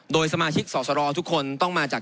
โดยสมาชิกสอสรทุกคนต้องมาจาก